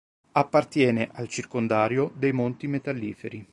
Appartiene al circondario dei Monti Metalliferi.